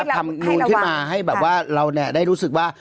ทำนูนขึ้นมาให้แบบว่าเราได้รู้สึกว่า